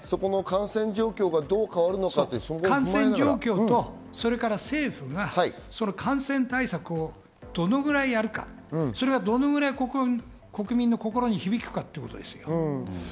感染状況とそれから政府が感染対策をどのぐらいあるか、それが、どのくらい国民の心に響くかということですよ。